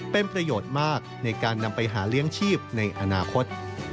เป็นประโยชน์มากในการนำไปหาเลี้ยงชีพในอนาคต